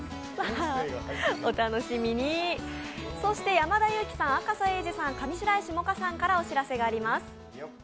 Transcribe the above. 山田裕貴さん、赤楚衛二さん上白石萌歌さんからお知らせがあります。